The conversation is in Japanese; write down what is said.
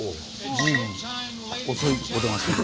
随分遅いお出ましで。